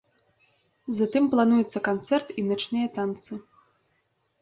Затым плануецца канцэрт і начныя танцы.